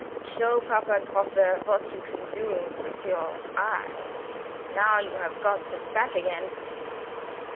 Show Papa Grosse what you can do with your eyes, now you have got them back again."